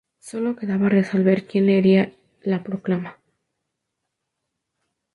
Solo quedaba resolver quien leería la proclama.